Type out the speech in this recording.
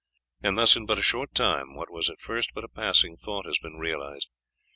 And thus in but a short time what was at first but a passing thought has been realized.